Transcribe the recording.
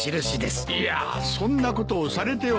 いやそんなことをされては。